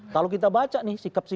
kalau kita baca nih sikap sikap